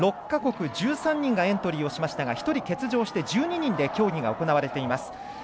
６か国１３人がエントリーをしましたが１人欠場して１２人で大会が行われています。